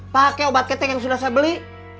pake obat ketek yang sudah saya beli